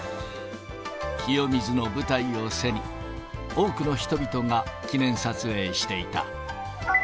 清水の舞台を背に、多くの人々が記念撮影していた。